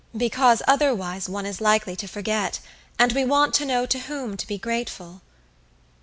Because otherwise one is likely to forget, and we want to know to whom to be grateful."